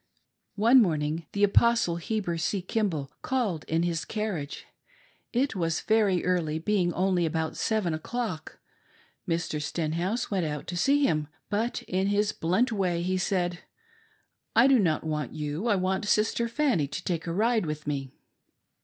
One morning, the Apostle Heber C Kimball called in bis carriage. It was very early, being only about seven o'clock. Mr. Stenhouse went out to see him, but in his blunt way he said :" I do not want you, I want Sister Fanny to take a ride with me."